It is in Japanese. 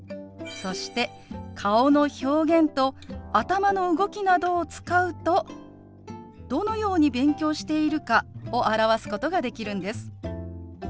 そして顔の表現と頭の動きなどを使うとどのように勉強しているかを表すことができるんです。